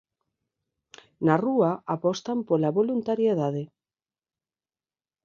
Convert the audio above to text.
Na rúa apostan pola voluntariedade.